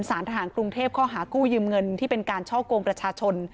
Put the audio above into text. สารทหารกรุงเทพข้อหากู้ยืมเงินที่เป็นการช่อกงประชาชน